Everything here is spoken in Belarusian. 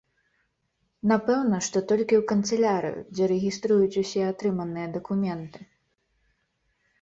Напэўна, што толькі ў канцылярыю, дзе рэгіструюць усе атрыманыя дакументы.